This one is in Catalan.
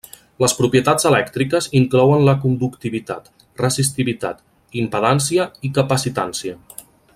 Les propietats elèctriques inclouen la conductivitat, resistivitat, impedància i capacitància.